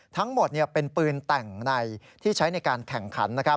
ทั้งหมดเป็นปืนแต่งในที่ใช้ในการแข่งขัน